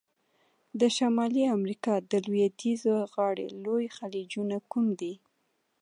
د شمالي امریکا د لویدیځه غاړي لوی خلیجونه کوم دي؟